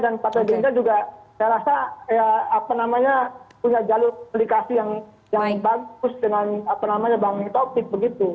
dan partai gerindra juga saya rasa punya jalur publikasi yang bagus dengan bang taufik